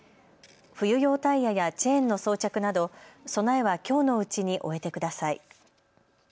冬用タイヤやチェーンの装着など備えはきょうのうちに終えてください。